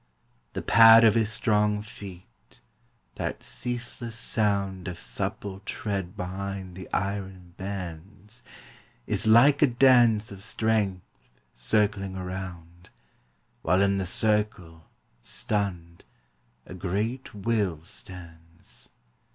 The pad of his strong feet, that ceaseless sound Of supple tread behind the iron bands, Is like a dance of strength circling around, While in the circle, stunned, a great will stands.